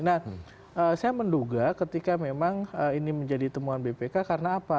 nah saya menduga ketika memang ini menjadi temuan bpk karena apa